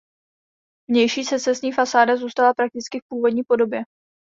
Vnější secesní fasáda zůstala prakticky v původní podobě.